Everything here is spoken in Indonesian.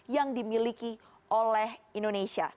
yang dimiliki oleh indonesia